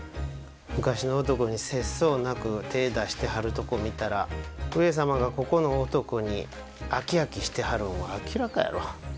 昔の男に節操なく手ぇ出してはるとこ見たら上様がここの男に飽き飽きしてはるんは明らかやろ？